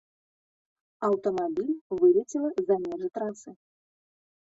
Аўтамабіль вылецела за межы трасы.